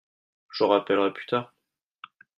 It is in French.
Je rappellerai plus tard.